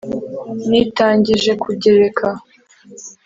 nitangije kugereka